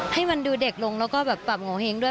ให้มันดูเด็กลงแล้วก็แบบปรับโงเห้งด้วย